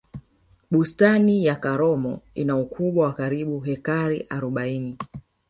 bustani ya karomo ina ukubwa wa karibu hekari arobaini